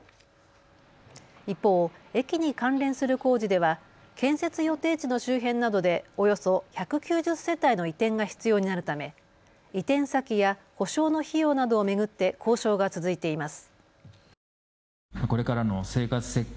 一方、駅に関連する工事では建設予定地の周辺などでおよそ１９０世帯の移転が必要になるため移転先や補償の費用などを巡って交渉が続いています。